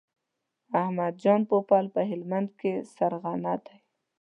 احمد جان پوپل په هلمند کې سرغنه دی.